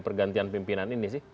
pergantian pimpinan ini sih